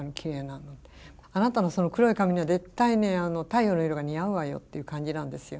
あなたのその黒い髪には絶対太陽の色が似合うわよっていう感じなんですよ。